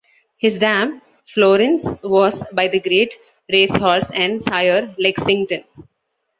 His dam, Florence, was by the great racehorse and sire Lexington.